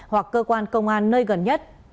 hoặc cơ quan công an nơi gần nhất